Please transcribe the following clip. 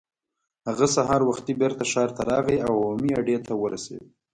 هغه سهار وختي بېرته ښار ته راغی او عمومي اډې ته ورسېد.